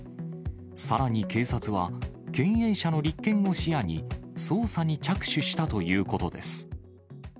さらに警察は、経営者の立件を視野に、捜査に着手したということです。